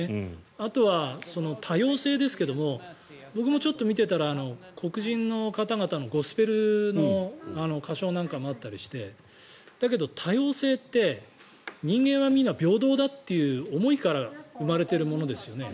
あとは多様性ですけども僕も見ていたら黒人の方々のゴスペルの歌唱なんかもあったりしてだけど多様性って人間は皆平等だという思いから生まれているものですよね。